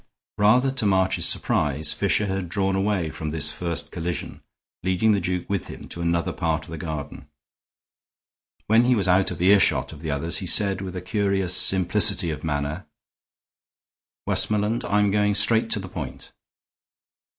Rather to March's surprise, Fisher had drawn away from this first collision, leading the duke with him to another part of the garden. When he was out of earshot of the others he said, with a curious simplicity of manner: "Westmoreland, I am going straight to the point."